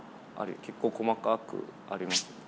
結構細かくあります。